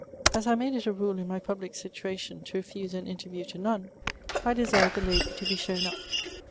As I made it a rule in my public situation to refuse an interview to none, I desired the lady to be shown up.